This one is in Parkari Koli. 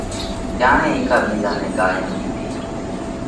ڪيڻئہ هيڪا ٻِيزا نئہ ڳاۯيون ۮِيڌي۔